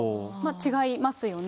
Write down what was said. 違いますよね。